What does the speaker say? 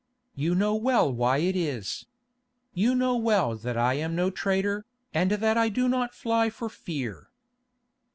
You know well why it is. You know well that I am no traitor, and that I do not fly for fear."